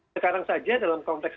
sekarang saja dalam konflik ini